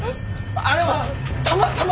あれはたまたま。